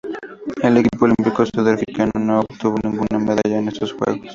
El equipo olímpico sudafricano no obtuvo ninguna medalla en estos Juegos.